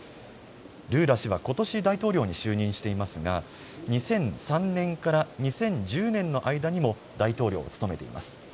ルーラ氏はことし大統領に就任していますが、２００３年から２０１０年の間にも大統領を務めています。